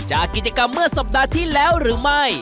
จากกิจกรรมเมื่อสัปดาห์ที่แล้วหรือไม่